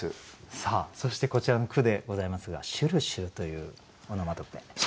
さあそしてこちらの句でございますが「しゅるしゅる」というオノマトペ。